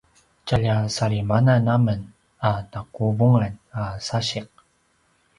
tjalja salimanan amen a taquvungan a sasiq